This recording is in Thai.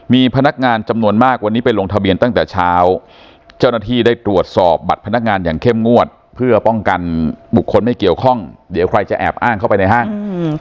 มีพนักงานจำนวนมากวันนี้ไปลงทะเบียนตั้งแต่เช้าเจ้าหน้าที่ได้ตรวจสอบบัตรพนักงานอย่างเข้มงวดเพื่อป้องกันบุคคลไม่เกี่ยวข้องเดี๋ยวใครจะแอบอ้างเข้าไปในห้าง